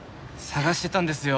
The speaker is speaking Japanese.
捜してたんですよ